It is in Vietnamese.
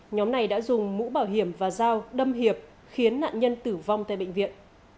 nhóm này đã dùng mũ bảo hiểm và dao đâm hiệp khiến nạn nhân tử vong tại bệnh viện